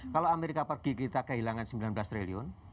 kalau amerika pergi kita kehilangan sembilan belas triliun